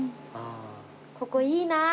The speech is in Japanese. ここいいなあ。